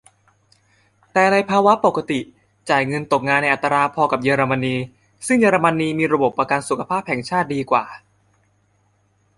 แต่ในภาวะปกติจ่ายเงินตกงานในอัตราพอกับเยอรมนี ซึ่งเยอรมนีมีระบบประกันสุขภาพแห่งชาติดีกว่า